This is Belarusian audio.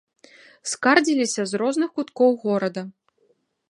Скардзіліся з розных куткоў горада.